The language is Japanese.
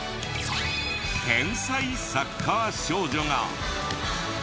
天才サッカー少女が！